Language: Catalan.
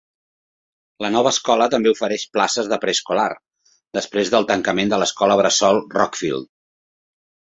La nova escola també ofereix places de preescolar, després del tancament de l'escola bressol Rockfield.